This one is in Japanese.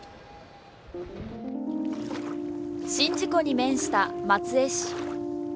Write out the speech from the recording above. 宍道湖に面した松江市。